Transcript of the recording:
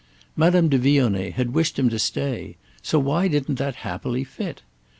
Madame de Vionnet had wished him to stay—so why didn't that happily fit?